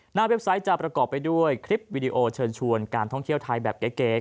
เว็บไซต์จะประกอบไปด้วยคลิปวิดีโอเชิญชวนการท่องเที่ยวไทยแบบเก๋